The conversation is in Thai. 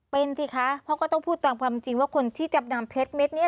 เป็นสิคะเพราะก็ต้องพูดตามความจริงว่าคนที่จำนำเพชรเม็ดนี้